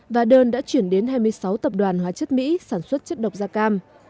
và đơn đã chuyển đến hai mươi sáu tập đoàn hóa chất mỹ sản xuất chất độc da cam